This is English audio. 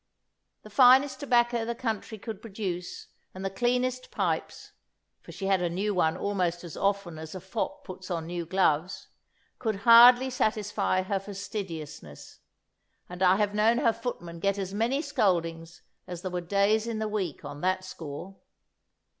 "The finest tobacco the country could produce, and the cleanest pipes (for she had a new one almost as often as a fop puts on new gloves), could hardly satisfy her fastidiousness; and I have known her footman get as many scoldings as there were days in the week on that score.